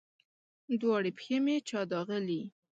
دواړې پښې مې چا داغلي